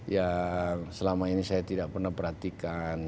ya selama ini saya tidak pernah perhatikan